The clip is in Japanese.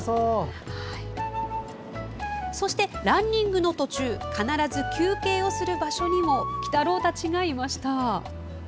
そして、ランニングの途中必ず休憩をする場所にも鬼太郎たちがいました。